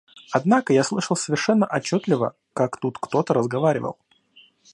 Однако, я слышал совершенно отчетливо, как тут кто-то разговаривал.